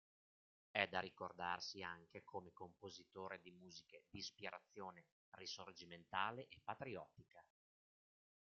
È da ricordarsi anche come compositore di musiche di ispirazione risorgimentale e patriottica.